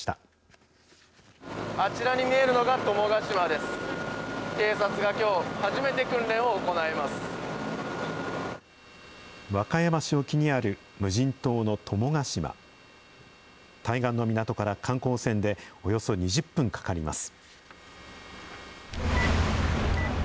対岸の港から観光船でおよそ２０分かかります。